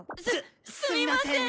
すすみません！